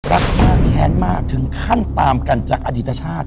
รักมากแค้นมากถึงขั้นตามกันจากอดีตชาติ